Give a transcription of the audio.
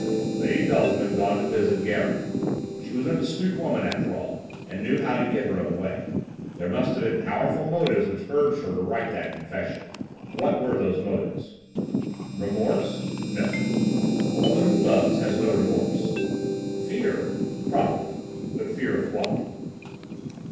"Lady Beltham had gone to visit Gérin. She was an astute woman after all, and knew how to get her own way. There must have been powerful motives which urged her to write that confession. What were those motives? "Remorse? No. A woman who loves has no remorse. Fear? Probably, but fear of what?"